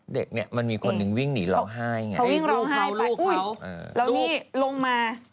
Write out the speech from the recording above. เด็กมันมีคนหนึ่งวิ่งหนีร้องไห้ไงค่ะเขาวิ่งร้องไห้ไปโอ๊ยแล้วนี่ลงมา